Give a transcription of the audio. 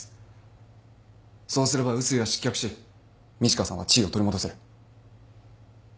そうすれば碓井は失脚し路加さんは地位を取り戻せる。